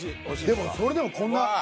でもそれでもこんな。